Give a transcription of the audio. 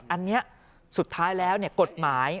อันนี้สุดท้ายแล้วกฎหมาย